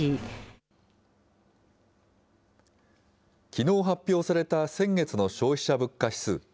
きのう発表された先月の消費者物価指数。